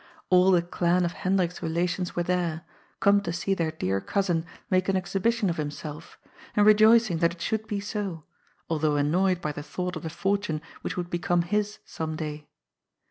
All the clan of Hendrik's re lations were there, come to see their dear cousin make an exhibition of himself, and rejoicing that it should be so, al though annoyed by the thought of the fortune which would become his some day.